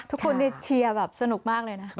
ทุกคนนี่เชียร์แบบสนุกมากเลยนะ